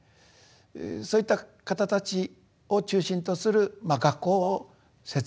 そういった方たちを中心とする学校を設立しなければならないと。